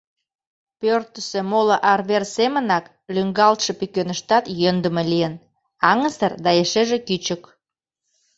Пӧртысӧ моло арвер семынак лӱҥгалтше пӱкеныштат йӧндымӧ лийын — аҥысыр да эшеже кӱчык.